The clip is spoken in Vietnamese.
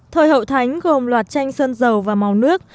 thời hậu thánh gồm loạt tranh sơn dầu và màu nước